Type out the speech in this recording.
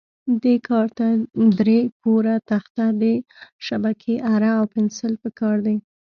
دې کار ته درې پوره تخته، د شبکې اره او پنسل په کار دي.